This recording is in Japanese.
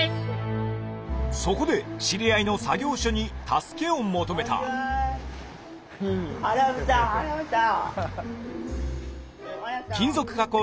そこで知り合いの作業所に助けを求めた原渕さん原渕さん！